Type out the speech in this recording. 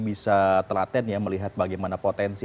bisa telaten ya melihat bagaimana potensi